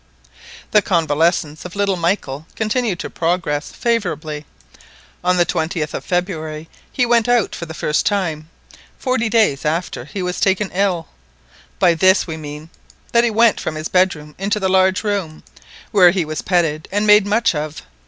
The convalescence of little Michael continued to progress favourably. On the 20th of February he went out for the first time, forty days after he was taken ill. By this we mean that he went from his bedroom into the large room, where he was petted and made much of.